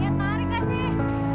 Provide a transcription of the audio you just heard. gak tarik asik